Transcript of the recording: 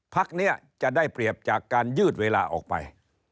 พักนี้จะได้เปรียบจากการยืดเวลาออกไป